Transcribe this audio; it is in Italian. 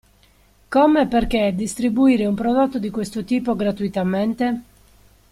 Come e perché distribuire un prodotto di questo tipo gratuitamente?